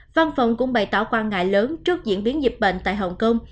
văn phòng cũng bày tỏ quan ngại lớn trước diễn biến dịch bệnh tại hồng kông